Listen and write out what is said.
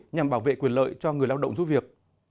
nhằm bảo vệ quyền lợi cho người lao động giúp việc